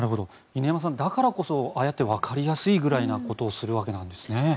犬山さん、だからこそああやってわかりやすいぐらいなことをやるわけですね。